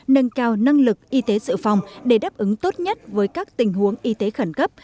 nâng cao năng lực y tế sự phòng để đáp ứng tốt nhất với các tình huống y tế khẩn cấp